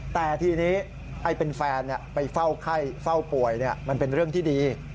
แต่ทีนี้ไอ้เป็นแฟนไปเฝ้าป่วยมันเป็นเรื่องที่ดี